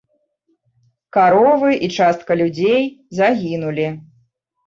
Каровы і частка людзей загінулі.